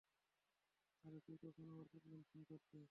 আরে, তুই কখন আবার প্রতিদিন ফোন করতি?